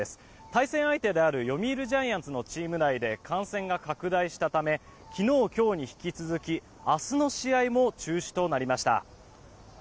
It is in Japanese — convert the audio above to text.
対戦相手である読売ジャイアンツのチーム内で感染が拡大したため昨日今日に引き続き明日の試合も中止となりました。